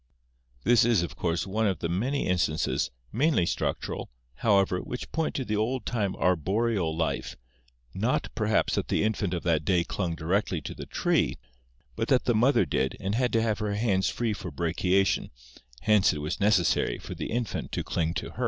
This is of course one of the many in stances, mainly structural, however, which point to the old time arboreal life, not perhaps that the infant of that day clung directly to the tree but that the mother did and had to have her hands free for brachiation, hence it was neces sary for the infant to cling to her.